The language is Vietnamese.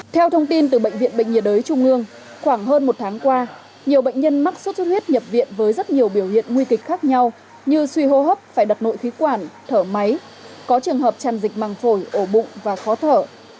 theo thông tin từ bệnh viện bệnh nhiệt đới trung ương khoảng hơn một tháng qua nhiều bệnh nhân mắc sốt xuất huyết nhập viện với rất nhiều biểu hiện nguy kịch khác nhau như suy hô hấp phải đặt nội khí quản thở máy có trường hợp tràn dịch măng phổi ổ bụng và khó thở